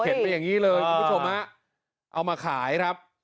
เห็นเป็นอย่างนี้เลยคุณผู้ชมฮะเอามาขายครับ